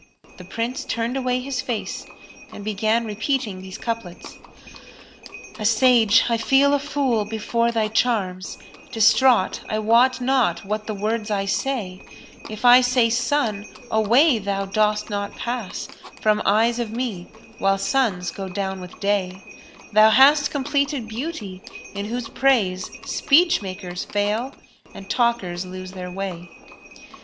the Prince turned away his face and began repeating these couplets, "A Sage, I feel a fool before thy charms; * Distraught, I wot not what the words I say: If say I 'Sun,' away thou dost not pass * From eyes of me, while suns go down with day: Thou hast completed Beauty, in whose praise * Speech makers fail, and talkers lose their way."